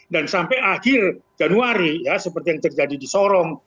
dan sampai akhir januari seperti yang terjadi di sorong